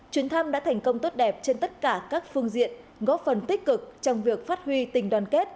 chuyến thăm đã thành công tốt đẹp trên tất cả các phương diện góp phần tích cực trong việc phát huy tình đoàn kết